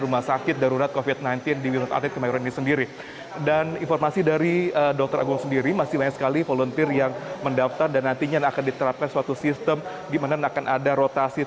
baik dari bagaimana